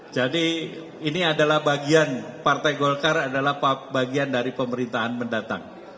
jadi ini adalah bagian partai golkar adalah bagian dari pemerintahan mendatang